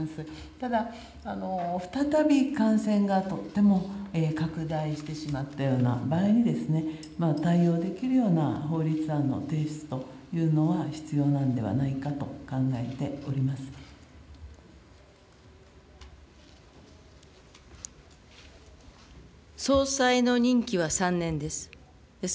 ただ、再び感染がとっても拡大してしまったような場合にですね、対応できるような法律案の提出というのは、必要なんではないかと考えております。